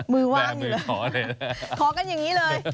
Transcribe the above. มือว่างแต่มือขอเลยขอกันอย่างนี้เลย